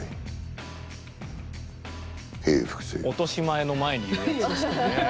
落とし前の前に言うやつですね。